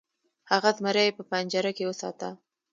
هغه زمری په پنجره کې وساته.